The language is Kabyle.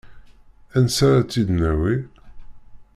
Ansi ara t-id-nawi?